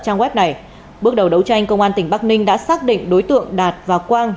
trang web này bước đầu đấu tranh công an tỉnh bắc ninh đã xác định đối tượng đạt và quang